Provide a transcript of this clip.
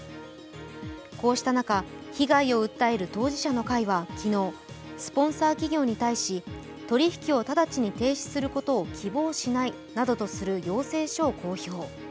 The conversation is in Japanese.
こうした中、被害を訴える当事者の会は昨日、スポンサー企業に対し、取引を直ちに停止することを希望しないなどとする要請書を公表。